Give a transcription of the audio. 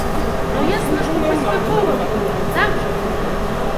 Ну ясна, што паспяховым быў бы, так жа?